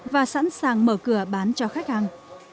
và sẵn sàng mở cửa bán cho khách hàng